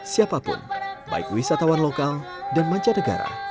siapapun baik wisatawan lokal dan manca negara